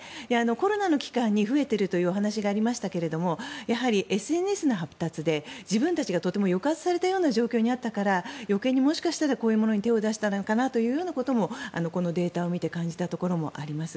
コロナの期間に増えているというお話がありましたけれどもＳＮＳの発達で自分たちが抑圧された状況にあったから、余計にこういうものに手を出したのかなということもこのデータを見て感じたところもあります。